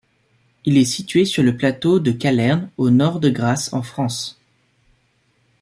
Il est situé sur le plateau de Calern, au nord de Grasse, en France.